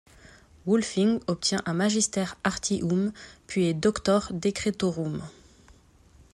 Wulfing obtient un magister artium puis est doctor decretorum.